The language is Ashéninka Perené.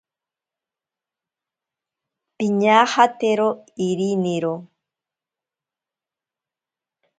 Piñajatero iriniro.